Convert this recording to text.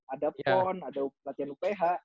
ada pon ada pelatihan uph